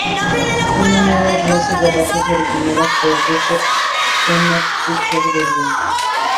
Una nueva clase de rosas originada por Joseph Pernet-Ducher de Lyon.